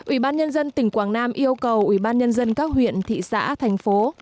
ủy ban nhân dân tỉnh quảng nam yêu cầu ủy ban nhân dân các huyện thị xã thành phố